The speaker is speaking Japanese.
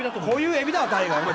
こういうエビだわ大概。